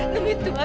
demi tuhan tante